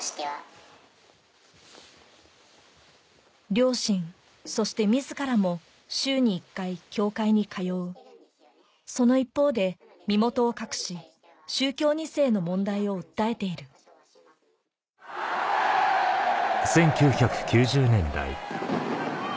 両親そして自らも週に一回教会に通うその一方で身元を隠し宗教２世の問題を訴えているマンセー！